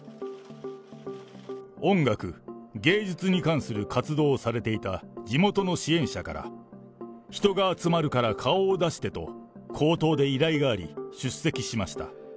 音楽・芸術に関する活動をされていた地元の支援者から、人が集まるから顔を出してと、口頭で依頼があり、出席しました。